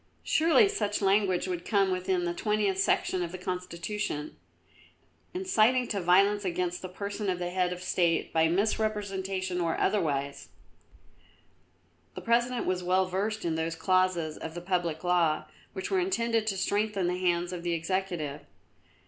Surely such language would come within the 20th Section of the Constitution: Inciting to violence against the person of the Head of the State by misrepresentation or otherwise." The President was well versed in those clauses of the public law which were intended to strengthen the hands of the Executive.